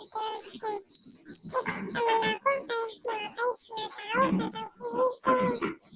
saya sudah teman dengan teman teman saya